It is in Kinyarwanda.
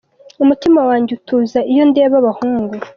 Umutima wanjye utuza iyo ndeba abahungu !!».